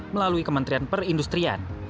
melalui kementerian perindustrian